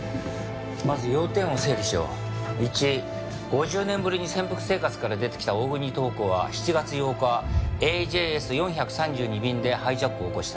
５０年ぶりに潜伏生活から出てきた大國塔子は７月８日ＡＪＳ４３２便でハイジャックを起こした。